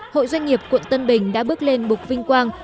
hội doanh nghiệp quận tân bình đã bước lên bục vinh quang